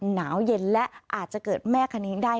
หนาวเย็นและอาจจะเกิดแม่คณิงได้